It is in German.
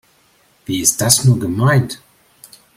Wie ist das nur gemeint?